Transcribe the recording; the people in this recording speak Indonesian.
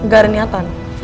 gak ada niatan